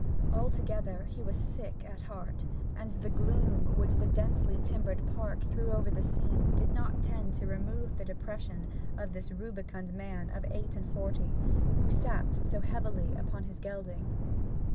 Altogether he was sick at heart, and the gloom which the densely timbered park threw over the scene did not tend to remove the depression of this rubicund man of eight and forty, who sat so heavily upon his gelding.